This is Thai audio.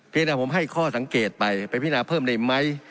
แค่นะผมให้ข้อสังเกตไปยังไงเปิดเนาะเพิ่มได้ไหม